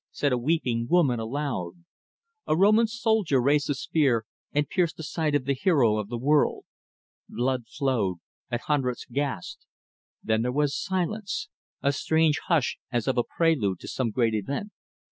said a weeping woman aloud. A Roman soldier raised a spear and pierced the side of the Hero of the World. Blood flowed, and hundreds gasped. Then there was silence a strange hush as of a prelude to some great event.